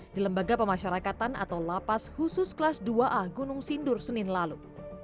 di lembaga pemasyarakatan atau lapas khusus kelas dua a gunung sindur senin lalu